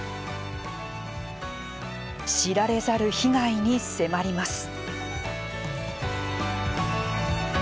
知られざる被害に迫ります。